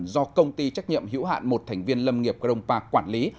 do công ty trách nhiệm hữu hạn một thành viên lâm nghiệp grong park quản lý